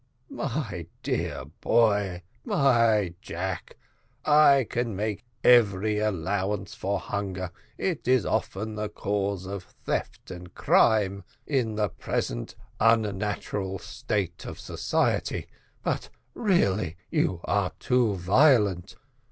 "My dear boy my Jack I can make every allowance for hunger, it is often the cause of theft and crime in the present unnatural state of society but really you are too violent.